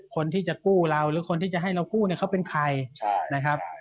คนที่จะกู้เราหรือคนที่จะให้เรากู้เขาเป็นใคร